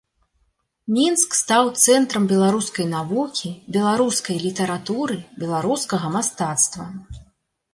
Мінск стаў цэнтрам беларускай навукі, беларускай літаратуры, беларускага мастацтва.